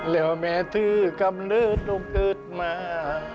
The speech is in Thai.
แล้วแม่ถือกำเลิศลูกเกิดมา